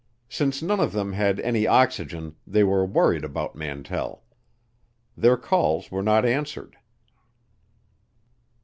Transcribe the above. Since none of them had any oxygen they were worried about Mantell. Their calls were not answered.